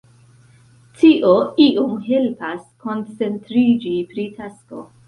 Tio iom helpas koncentriĝi pri tasko.